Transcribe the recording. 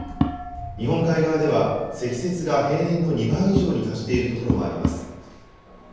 日本海側では積雪が平年の２倍以上に達しているところもあります。